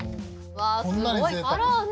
わあすごいカラーですね。